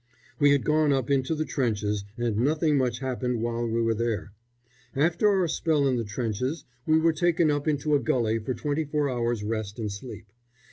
We had gone up into the trenches and nothing much happened while we were there. After our spell in the trenches we were taken up into a gulley for twenty four hours' rest and sleep.